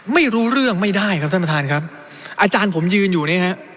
ไม่รู้เรื่องไม่ได้ครับท่านประธานครับอาจารย์ผมยืนอยู่เนี่ยฮะ